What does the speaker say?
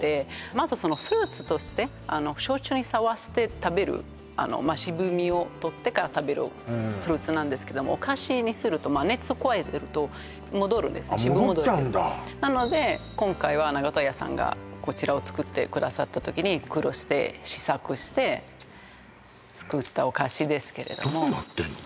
まずフルーツとして焼酎にさわして食べる渋みをとってから食べるフルーツなんですけどもお菓子にするとあっ戻っちゃうんだなので今回は長門屋さんがこちらを作ってくださった時に苦労して試作して作ったお菓子ですけれどもどうなってんの？